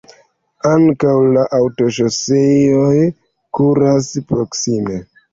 Ankaŭ la aŭtoŝoseoj kuras proksime.